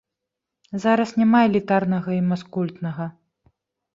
Зараз няма элітарнага і маскультнага.